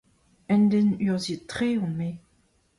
Un den urzhiet-tre on-me.